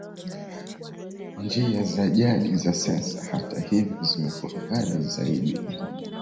Njia za jadi za sensa, hata hivyo, zimekuwa ghali zaidi.